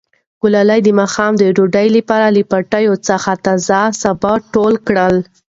ګلالۍ د ماښام د ډوډۍ لپاره له پټي څخه تازه سابه ټول کړل.